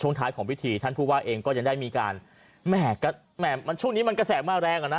ท้ายของพิธีท่านผู้ว่าเองก็ยังได้มีการแหม่มันช่วงนี้มันกระแสมาแรงอ่ะนะ